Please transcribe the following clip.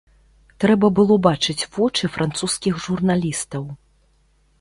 Трэба было бачыць вочы французскіх журналістаў.